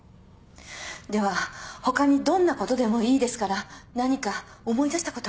では他にどんなことでもいいですから何か思い出したこと。